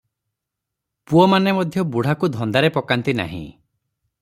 ପୁଅମାନେ ମଧ୍ୟ ବୁଢ଼ାକୁ ଧନ୍ଦାରେ ପକାନ୍ତି ନାହିଁ ।